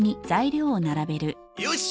よし！